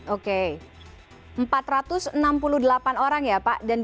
oke empat ratus enam puluh delapan orang ya pak